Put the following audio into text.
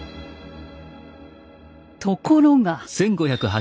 ところが。